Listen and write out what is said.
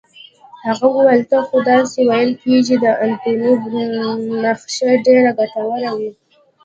هغې وویل: نه، خو داسې ویل کېږي چې د انتوني نخښه ډېره ګټوره وي.